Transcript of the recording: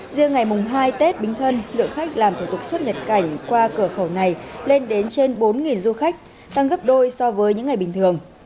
riêng ngày mùng hai tết bính thân lượng khách làm thủ tục xuất nhập cảnh qua cửa khẩu này lên đến trên bốn du khách tăng gấp đôi so với những ngày bình thường